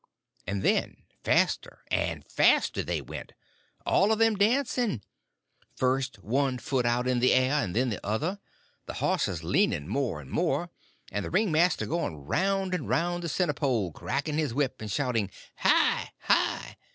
And then faster and faster they went, all of them dancing, first one foot out in the air and then the other, the horses leaning more and more, and the ringmaster going round and round the center pole, cracking his whip and shouting "Hi!—hi!"